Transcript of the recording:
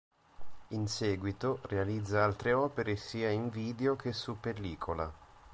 In seguito realizza altre opere sia in video che su pellicola.